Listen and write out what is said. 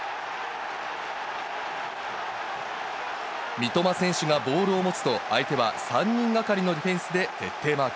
三笘選手がボールを持つと相手は３人がかりのディフェンスで徹底マーク。